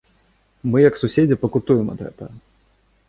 Мы як суседзі пакутуем ад гэтага.